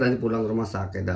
tadi pulang rumah sakit